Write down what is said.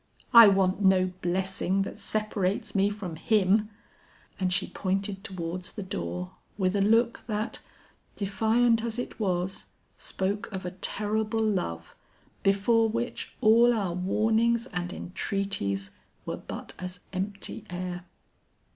'I want no blessing that separates me from him!' And she pointed towards the door with a look that, defiant as it was, spoke of a terrible love before which all our warnings and entreaties were but as empty air.